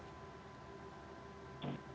saya sendiri yang terdapat